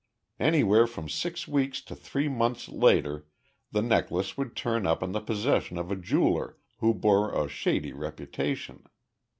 Anywhere from six weeks to three months later the necklace would turn up in the possession of a jeweler who bore a shady reputation.